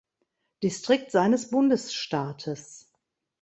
Distrikt seines Bundesstaates.